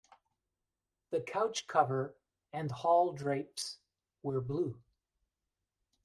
The couch cover and hall drapes were blue.